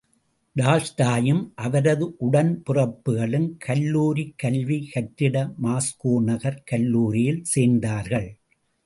டால்ஸ்டாயும், அவரது உடன் பிறப்புக்களும் கல்லூரிக் கல்வி கற்றிட மாஸ்கோ நகர் கல்லூரியில் சேர்ந்தார்கள்.